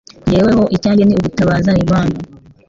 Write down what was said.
Jyeweho icyanjye ni ugutabaza Imana